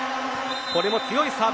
これも強いサーブ。